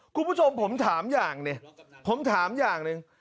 คุณผู้ชมผมถามอย่างนึง